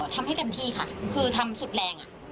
ทำให้เต็มที่ค่ะคือทำสุดแรง